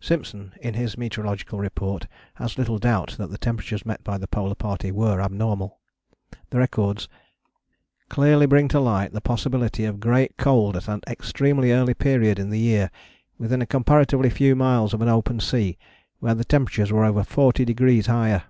Simpson, in his meteorological report, has little doubt that the temperatures met by the Polar Party were abnormal. The records "clearly bring to light the possibility of great cold at an extremely early period in the year within a comparatively few miles of an open sea where the temperatures were over 40 degrees higher."